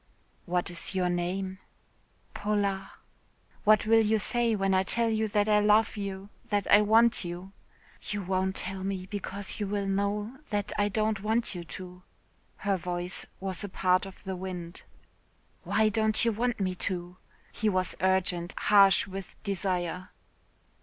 "What is your name?" "Paula." "What will you say when I tell you that I love you, that I want you?" "You won't tell me because you will know that I don't want you to." Her voice was a part of the wind. "Why don't you want me to?" he was urgent harsh with desire.